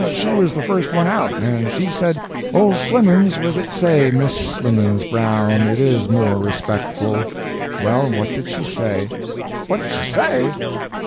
She was the first one out, and she said—old Slimmens with the " "Say Miss Slimmens, Brown—it is more respectful. Well, what did she say?" "What did she say?